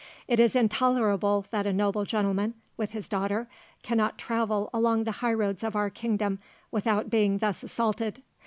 It is intolerable that a noble gentleman, with his daughter, cannot travel along the highroads of our kingdom without being thus assaulted.